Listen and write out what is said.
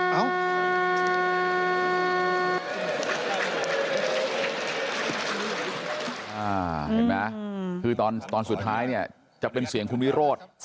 อ๋อเห็นมวะคือตอนตอนสุดท้ายเนี่ยจะเป็นเสียงคุณวิโรศ์